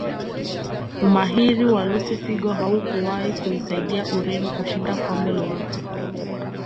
Umahiri wa Lusi figo haukuwahi kuisaidia Ureno kushinda kombe lolote